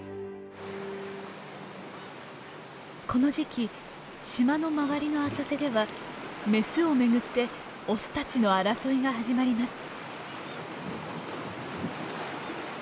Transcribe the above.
この時期島の周りの浅瀬ではメスを巡ってオスたちの争いが始まります。